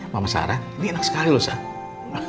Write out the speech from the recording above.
mama sarah ini enak sekali loh saya